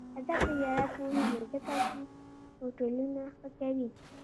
آزاد تجارت مهم دی ځکه چې هوټلونه ښه کوي.